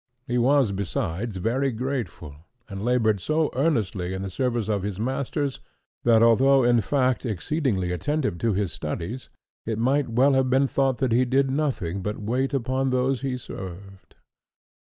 He was, besides, very grateful, and laboured so earnestly in the service of his masters, that although in fact exceedingly attentive to his studies, it might well have been thought that he did nothing but wait upon those he served.